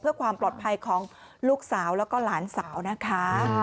เพื่อความปลอดภัยของลูกสาวแล้วก็หลานสาวนะคะ